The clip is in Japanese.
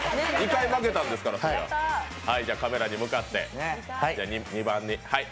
２回負けたんですからカメラに向かって。